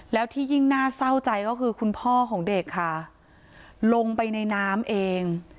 แล้วที่ยิ่งน่าเศร้าใจก็คือคุณพ่อของเด็กค่ะลงไปในน้ำเอง